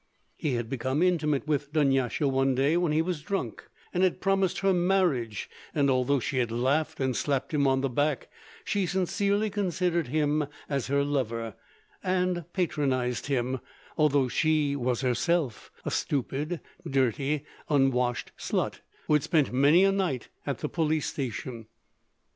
He had become intimate with Dunyasha one day when he was drunk, and had promised her marriage, and although she had laughed and slapped him on the back, she sincerely considered him as her lover, and patronized him, although she was herself a stupid, dirty, unwashed slut, who had spent many a night at the police station.